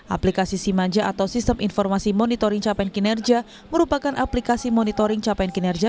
aplikasi simanja atau sistem informasi monitoring capaian kinerja merupakan aplikasi monitoring capaian kinerja